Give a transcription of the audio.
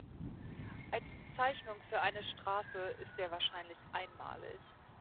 Als Bezeichnung für eine Straße ist er wahrscheinlich einmalig.